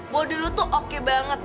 bodi lo tuh oke banget